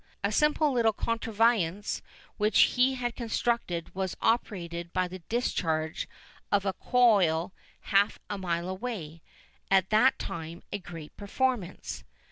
A simple little contrivance which he had constructed was operated by the discharge of a coil half a mile away, at that time a great performance.